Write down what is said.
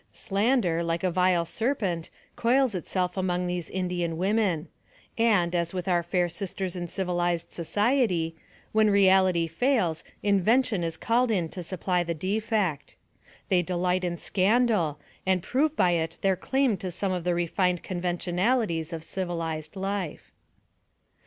Slander, like a vile serpent, coils itself among these Indian women ; and, as with our fair sisters in civil ized society, when reality fails, invention is called in to suply the defect. They delight in scandal, and prove by it their claim to some of the refined conven tionalities of civilized life.